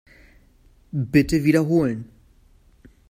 Bitte wiederholen.